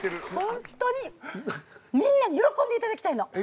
ホントにみんなに喜んでいただきたいの。